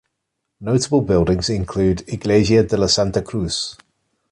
Notable buildings include Iglesia de la Santa Cruz.